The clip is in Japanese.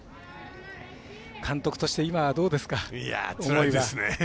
監督して、今、どうですか？